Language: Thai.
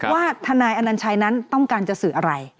ว่าทนายอนัญชัยนั้นต้องการจะสื่ออะไร